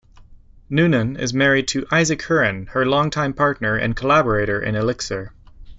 Noonan is married to Isaac Hurren, her longtime partner and collaborator in Elixir.